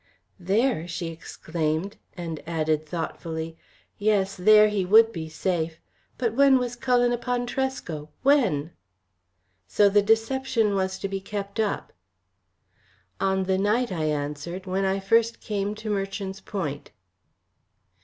"There!" she exclaimed, and added, thoughtfully, "Yes, there he would be safe. But when was Cullen upon Tresco? When?" So the deception was to be kept up. "On the night," I answered, "when I first came to Merchant's Point."